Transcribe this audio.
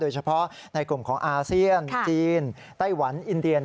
เฉพาะในกลุ่มของอาเซียนจีนไต้หวันอินเดีย